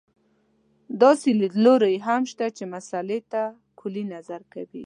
داسې لیدلوري هم شته چې مسألې ته کُلي نظر کوي.